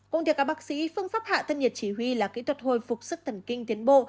cũng theo các bác sĩ phương pháp hạ thân nhiệt chỉ huy là kỹ thuật hồi phục sức tần kinh tiến bộ